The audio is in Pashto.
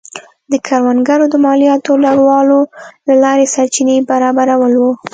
د کروندګرو د مالیاتو لوړولو له لارې سرچینې برابرول و.